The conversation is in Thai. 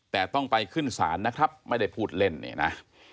แต่ต้องไปขึ้นศาลนะครับไม่ได้พูดเล่นเนี่ยนะ